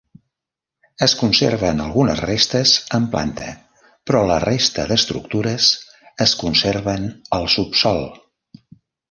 Es conserven algunes restes en planta però la resta d'estructures es conserven al subsòl.